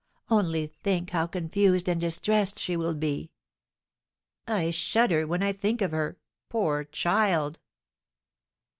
Only think how confused and distressed she will be." "I shudder when I think of her! Poor child!"